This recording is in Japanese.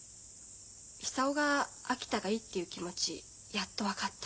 久男が秋田がいいって言う気持ちやっと分かった。